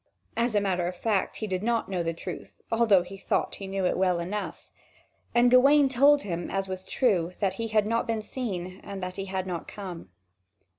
As a matter of fact, he did not know the truth, although he thought he knew it well enough. And Gawain told him, as was true, that he had not been seen, and that he had not come.